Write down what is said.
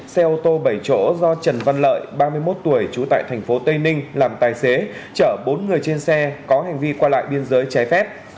xe ô tô bảy chỗ do trần văn lợi ba mươi một tuổi trú tại tp tây ninh làm tài xế chở bốn người trên xe có hành vi qua lại biên giới trái phép